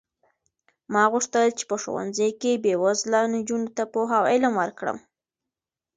ما غوښتل چې په ښوونځي کې بې وزله نجونو ته پوهه او علم ورکړم.